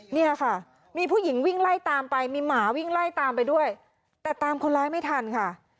เนี่ยค่ะมีผู้หญิงวิ่งไล่ตามไปมีหมาวิ่งไล่ตามไปด้วยแต่ตามคนร้ายไม่ทันค่ะ